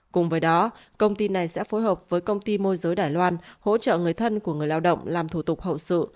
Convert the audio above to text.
cùng với đó công ty này sẽ phối hợp với công ty môi giới đài loan hỗ trợ người thân của người lao động làm thủ tục hậu sự